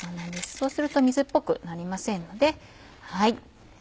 そうすると水っぽくなりませんので。